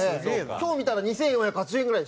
今日見たら２４８０円ぐらいでした。